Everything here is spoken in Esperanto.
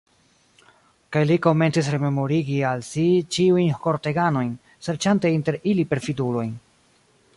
Kaj li komencis rememorigi al si ĉiujn korteganojn, serĉante inter ili perfidulojn.